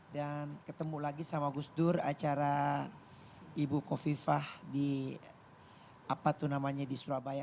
dan ketemu lagi sama gus dur acara ibu kofifah di apa tuh namanya di surabaya